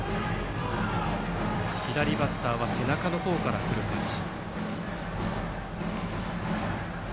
左バッターは背中の方から来る感じ。